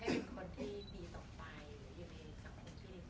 หรืออยู่ในเกี่ยวกันที่ส่งไป